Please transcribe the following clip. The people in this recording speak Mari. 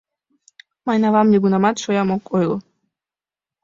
Мыйын авам нигунамат шоям ок ойло!..